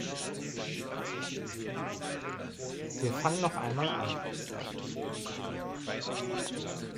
Wir fangen noch einmal an.